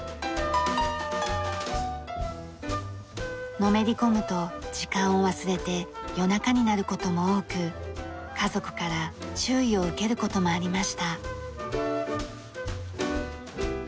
のめり込むと時間を忘れて夜中になる事も多く家族から注意を受ける事もありました。